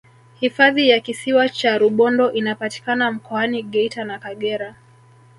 hifadhi ya kisiwa cha rubondo inapatikana mkoani geita na kagera